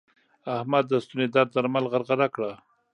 احمد د ستوني درد درمل غرغړه کړل.